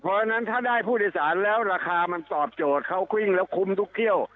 เพราะฉะนั้นถ้าได้ผู้โดยสารแล้วราคามันตอบโจทย์เขาวิ่งแล้วคุ้มทุกเที่ยว